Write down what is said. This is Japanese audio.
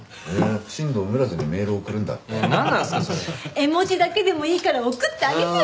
絵文字だけでもいいから送ってあげてよ！